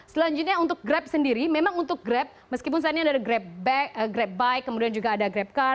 selanjutnya untuk grab sendiri memang untuk grab meskipun saat ini ada grab bike kemudian juga ada grabcar